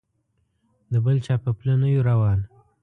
د بل چا په پله نه یو روان.